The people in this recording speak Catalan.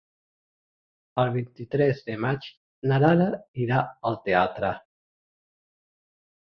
El vint-i-tres de maig na Lara irà al teatre.